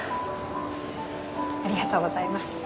ありがとうございます。